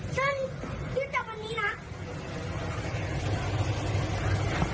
ฉันติดจับที่นี่นะ